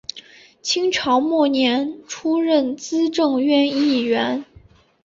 清朝末年出任资政院议员。